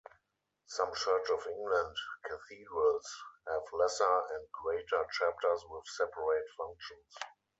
Some Church of England cathedrals have "lesser" and "greater" chapters with separate functions.